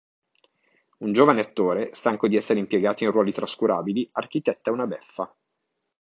Un giovane attore, stanco di essere impiegato in ruoli trascurabili, architetta una beffa.